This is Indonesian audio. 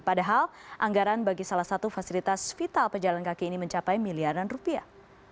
padahal anggaran bagi salah satu fasilitas vital pejalan kaki ini mencapai miliaran rupiah